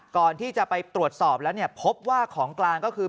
ก่อนที่จะไปตรวจสอบแล้วเนี่ยพบว่าของกลางก็คือ